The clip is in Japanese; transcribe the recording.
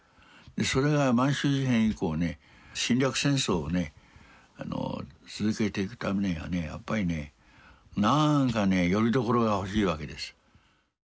それが満州事変以降ね侵略戦争をね続けていくためにはねやっぱりねなんかねよりどころが欲しいわけです。